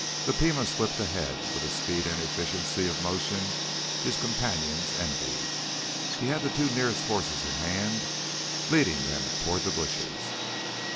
The Pima slipped ahead with a speed and efficiency of motion his companions envied. He had the two nearest horses in hand, leading them toward the bushes.